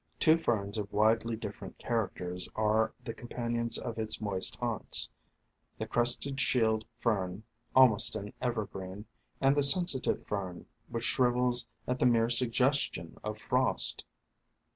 Two Ferns of widely different characters are the companions of its moist haunts: the Crested Shield Fern, almost an evergreen, and the Sensitive Fern, which shrivels at the mere suggestion of frost.